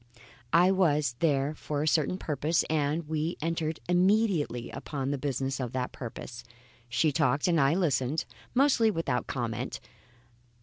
I was there for a certain purpose and we entered immediately upon the business of that purpose. She talked and I listened, mostly without comment.